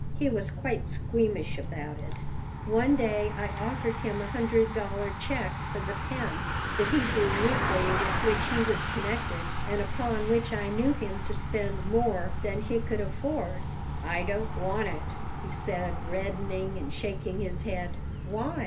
He was quite squeamish about it One day I offered him a hundred dollar check for The Pen, the Hebrew weekly with which he was connected and upon which I knew him to spend more than he could afford "I don't want it," he said, reddening and shaking his head "Why?"